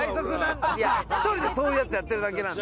いや１人でそういうやつやってるだけなんで。